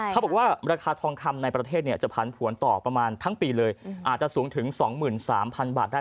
เขาบอกว่าราคาทองคำในประเทศจะผันผวนต่อประมาณทั้งปีเลยอาจจะสูงถึง๒๓๐๐๐บาทได้